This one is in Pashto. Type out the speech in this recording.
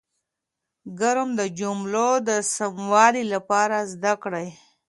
ګرامر د جملو د سموالي لپاره زده کړئ.